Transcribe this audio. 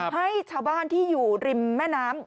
ให้ชาวบ้านที่อยู่ริมแม่น้ำ